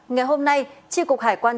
ngày hôm nay tri cục hải quang